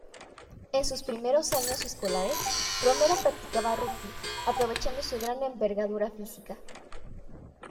En sus primeros años escolares, Romero practicaba rugby, aprovechando su gran envergadura física.